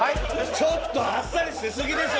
ちょっとあっさりしすぎでしょ。